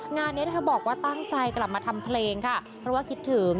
งานนี้เธอบอกว่าตั้งใจกลับมาทำเพลงค่ะเพราะว่าคิดถึง